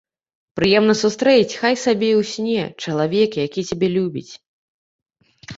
Прыемна сустрэць, хай сабе і ў сне, чалавека, які цябе любіць.